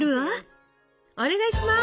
お願いします！